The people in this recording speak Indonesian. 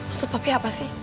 menurut papi apa sih